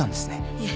いえ。